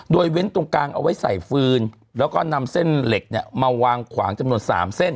โดยเว้นตรงกลางเอาไว้ใส่ฟืนแล้วก็นำเส้นเหล็กเนี่ยมาวางขวางจำนวน๓เส้น